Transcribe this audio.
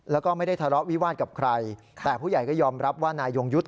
แล้วก็ไม่ได้ทะเลาะวิวาสกับใครแต่ผู้ใหญ่ก็ยอมรับว่านายยงยุทธ์